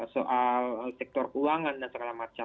soal sektor keuangan dan segala macam